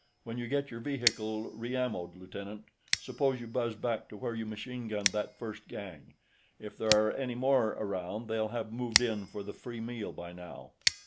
When you get your vehicle re ammoed, lieutenant, suppose you buzz back to where you machine gunned that first gang. If there are any more around, they'll have moved in for the free meal by now."